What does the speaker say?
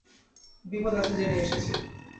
বিপদ আছে জেনেই এসেছি।